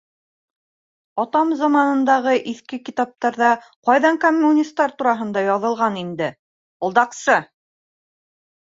Атам заманындағы иҫке китаптарҙа ҡайҙан коммунистар тураһында яҙылған инде, алдаҡсы!